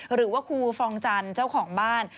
หรือว่าครูฟองจันทร์เจ้าของบ้าน